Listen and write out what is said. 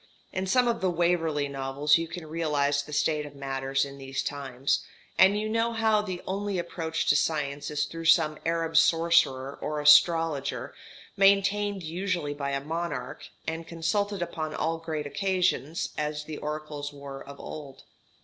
In some of the Waverley Novels you can realize the state of matters in these times; and you know how the only approach to science is through some Arab sorcerer or astrologer, maintained usually by a monarch, and consulted upon all great occasions, as the oracles were of old.